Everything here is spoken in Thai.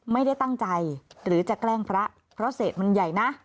ไม่ได้ตั้งใจหรือจะแกล้งพระเพราะเศษมันใหญ่นะ